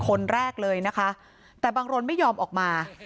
คนแรกเลยนะคะแต่บังรนไม่ยอมออกมา